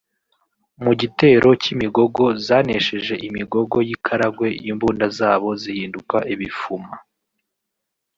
Mu gitero cy’imigogo zanesheje Imigogo y’i Karagwe imbunda zabo zihinduka ibifuma